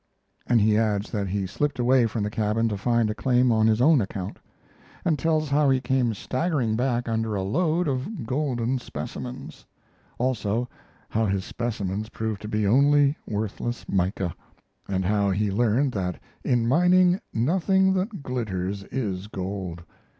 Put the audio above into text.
And he adds that he slipped away from the cabin to find a claim on his own account, and tells how he came staggering back under a load of golden specimens; also how his specimens proved to be only worthless mica; and how he learned that in mining nothing that glitters is gold.